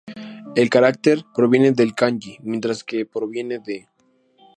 El carácter む proviene del kanji 武, mientras que ム proviene de 牟.